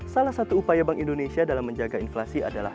salah satu upaya bank indonesia dalam menjaga inflasi adalah